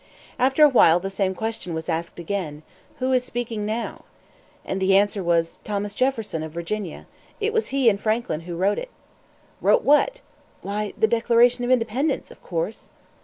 After a while the same question was asked again: "Who is speaking now?" And the answer was: "Thomas Jefferson of Virginia. It was he and Franklin who wrote it." "Wrote what?" "Why, the Declaration of Independence, of course."